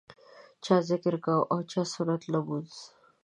چا ذکر کاوه او چا سنت لمونځ.